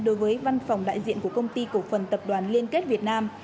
đối với văn phòng đại diện của công ty cổ phần tập đoàn liên kết việt nam